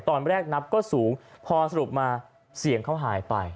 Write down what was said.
ตอนแรกนับก็สูงพอสรุปมาเสียงเขาหายไป